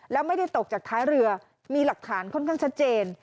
แล้วไม่ได้ตกจากท้ายเรือมีหลักฐานค่อนข้างชัดเจน